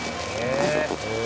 へえ。